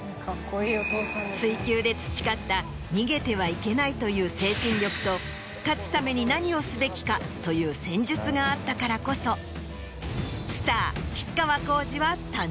水球で培った「逃げてはいけない」という精神力と「勝つために何をすべきか」という戦術があったからこそスター。